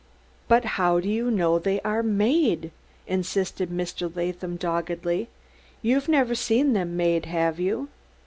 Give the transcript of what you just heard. "But how do you know they are made?" insisted Mr. Latham doggedly. "You've never seen them made, have you?"